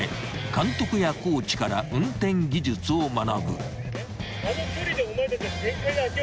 監督やコーチから運転技術を学ぶ］